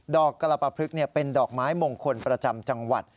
กรปพลึกเป็นดอกไม้มงคลประจำจังหวัด